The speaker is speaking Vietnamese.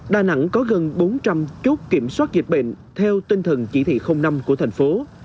đà nẵng có gần bốn trăm linh chốt kiểm soát dịch bệnh theo tinh thần chỉ thị năm của thành phố